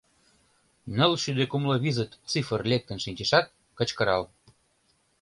Нылшӱдӧ кумло визыт цифр лектын шинчешат, кычкырал.